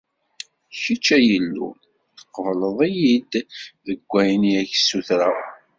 Kečč, ay Illu, tqebbleḍ-iyi-d deg wayen i ak-ssutureɣ.